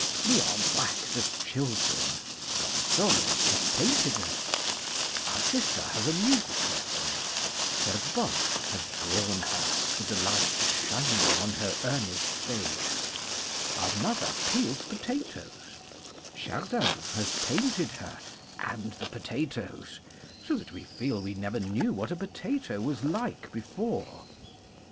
We are whacked as children Gozzoli has painted us ; our sister has a music lesson Terborch has drawn her with the light shining on her earnest face: our mother peels potatoes : Chardin has painted her, and the 248 CRITICAL STUDIES potatoes, so that we feel we never knew what a potato was like before.